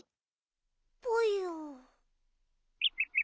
ぽよ。